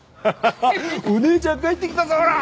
お姉ちゃん帰ってきたぞほら！